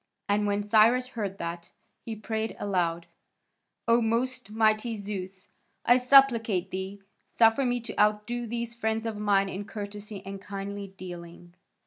And when Cyrus heard that, he prayed aloud: "O most mighty Zeus, I supplicate thee, suffer me to outdo these friends of mine in courtesy and kindly dealing."